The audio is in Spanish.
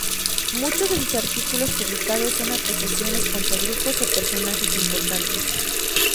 Muchos de sus artículos publicados son acusaciones contra grupos o personajes importantes.